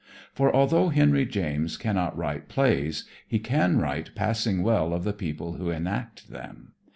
For although Henry James cannot write plays he can write passing well of the people who enact them.